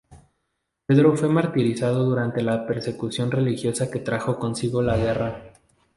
Pedro fue martirizado durante la persecución religiosa que trajo consigo la guerra.